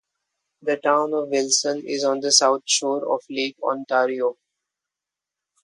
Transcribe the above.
The Town of Wilson is on the south shore of Lake Ontario.